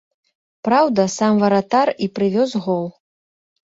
Праўда, сам варатар і прывёз гол.